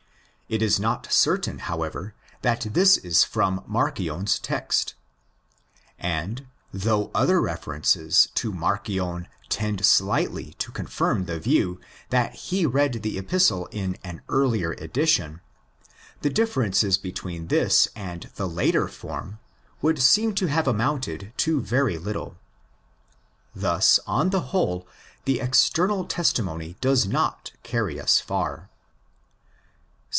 It is not certain, however, that this is from Marcion's text. And, though other references to Marcion tend slightly to confirm the view that he read the Epistle in an earlier edition, the differences between this and the later form would seem to have amounted to very little. Thus on the whole the external testimony does not carry us far.